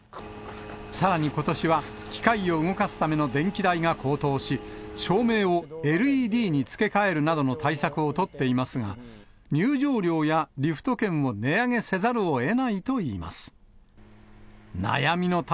さらにことしは、機械を動かすための電気代が高騰し、照明をＬＥＤに付け替えるなどの対策を取っていますが、入場料やリフト券を値上げせざるをえないといいます。